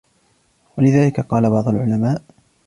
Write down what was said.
وَلِذَلِكَ قَالَ بَعْضُ الْعُلَمَاءِ